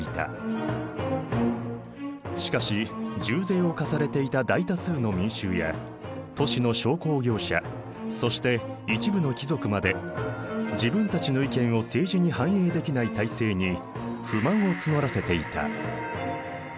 しかし重税を課されていた大多数の民衆や都市の商工業者そして一部の貴族まで自分たちの意見を政治に反映できない体制に不満を募らせていた。